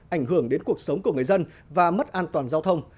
ảnh hưởng đến cuộc sống của người dân và mất an toàn giao thông